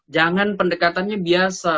jangan pendekatannya biasa